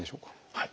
はい。